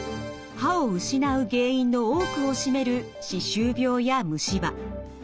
歯を失う原因の多くを占める歯周病や虫歯。